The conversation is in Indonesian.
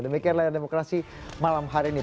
demikian layar demokrasi malam hari ini